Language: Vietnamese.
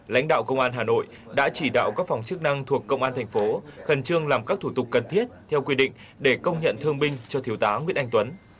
lãnh đạo công an hà nội đã chỉ đạo các phòng chức năng thuộc công an thành phố khẩn trương làm các thủ tục cần thiết theo quy định để công nhận thương binh cho thiếu tá nguyễn anh tuấn